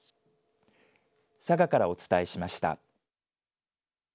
佐賀からお伝えしました。